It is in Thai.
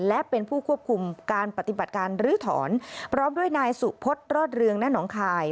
และเป็นผู้ควบคุมการปฏิบัติการฤทธรรมพร้อมด้วยนายสุพฤษรอดเรืองณคาย